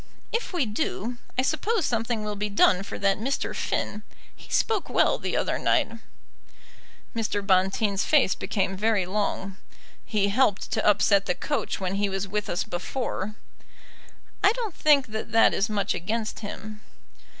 "If we do, I suppose something will be done for that Mr. Finn. He spoke well the other night." Mr. Bonteen's face became very long. "He helped to upset the coach when he was with us before." "I don't think that that is much against him."